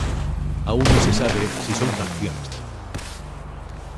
Aún no se sabe si son canciones del álbum.